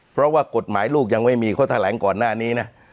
เพราะว่ากฎหมายลูกยังไม่มีข้อแถลงก่อนหน้านี้นะ